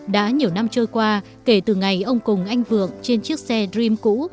đã nhiều năm trôi qua kể từ ngày ông cùng anh vượng trên chiếc xe dream cũ